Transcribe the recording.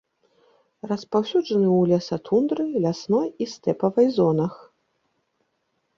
Распаўсюджаны ў лесатундры, лясной і стэпавай зонах.